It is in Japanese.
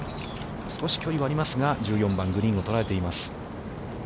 少し距離はありますが、１４番、グリーンを捉えています。